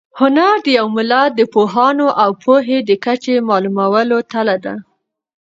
هنر د یو ملت د پوهانو او پوهې د کچې د معلومولو تله ده.